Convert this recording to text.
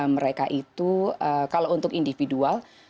mereka itu kalau untuk individual